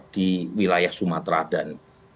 di wilayah sumatera dan